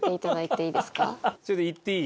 ちょっと言っていい？